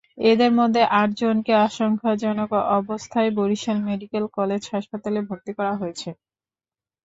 এদের মধ্যে আটজনকে আশঙ্কাজনক অবস্থায় বরিশাল মেডিকেল কলেজ হাসপাতালে ভর্তি করা হয়েছে।